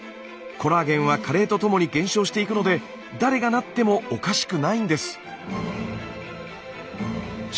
コラーゲンは加齢とともに減少していくので誰がなってもおかしくないんです。